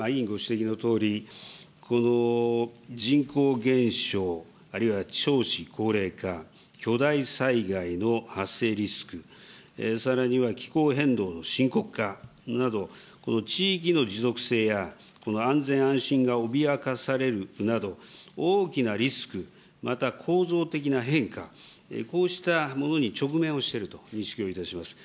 現在、わが国は委員ご指摘のとおり、この人口減少、あるいは少子高齢化、巨大災害の発生リスク、さらには気候変動の深刻化など、この地域の持続性や安全安心が脅かされるなど、大きなリスク、また構造的な変化、こうしたものに直面をしていると認識をしております。